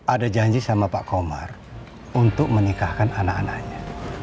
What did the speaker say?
ada janji sama pak komar untuk menikahkan anak anaknya